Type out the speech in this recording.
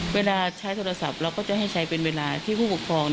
เวลาใช้โทรศัพท์เราก็จะให้ใช้เป็นเวลาที่ผู้ปกครอง